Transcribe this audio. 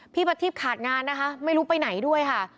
ประทีบขาดงานนะคะไม่รู้ไปไหนด้วยค่ะ